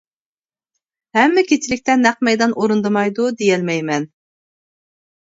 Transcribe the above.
ھەممە كېچىلىكتە نەق مەيدان ئورۇندىمايدۇ دېيەلمەيمەن.